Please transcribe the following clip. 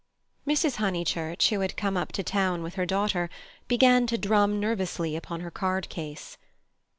Mrs. Honeychurch, who had come up to town with her daughter, began to drum nervously upon her card case.